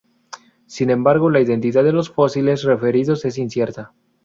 Sin embargo, la identidad de los fósiles referidos es incierta.